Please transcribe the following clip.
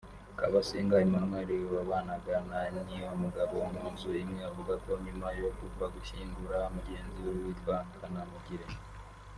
Kabasinga Emmanuel wabanaga na Niyomugabo mu nzu imwe avuga ko nyuma yo kuva gushyingura mugenzi we witwa Kanamugire